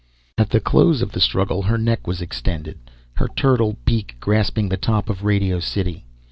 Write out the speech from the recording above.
At the close of the struggle her neck extended, her turtle beak grasping the top of Radio City.